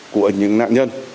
của những nạn nhân